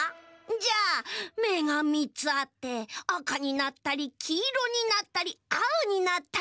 じゃあめが３つあってあかになったりきいろになったりあおになったり。